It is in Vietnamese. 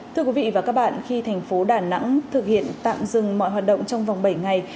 thưa quý vị và các bạn khi thành phố đà nẵng thực hiện tạm dừng mọi hoạt động trong vòng bảy ngày